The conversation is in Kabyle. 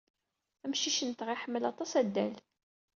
Amcic-nteɣ iḥemmel aṭas adal.